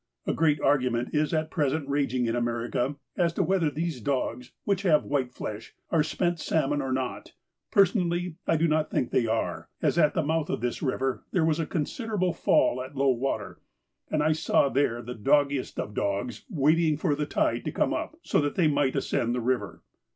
A great argument is at present raging in America as to whether these dogs, which have white flesh, are spent salmon or not; personally, I do not think they are, as at the mouth of this river there was a considerable fall at low water, and I saw there the doggiest of dogs waiting for the tide to come up so that they might ascend the river.